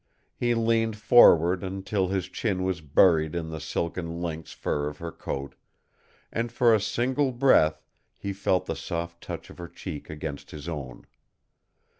He leaned forward until his chin was buried in the silken lynx fur of her coat, and for a single breath he felt the soft touch of her cheek against his own.